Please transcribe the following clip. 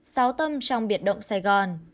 sáu tâm trong biệt động sài gòn